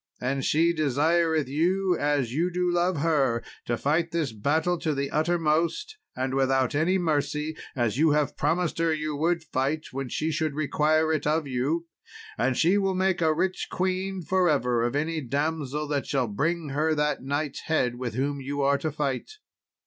And she desireth you as you do love her to fight this battle to the uttermost, and without any mercy, as you have promised her you would fight when she should require it of you; and she will make a rich queen for ever of any damsel that shall bring her that knight's head with whom you are to fight."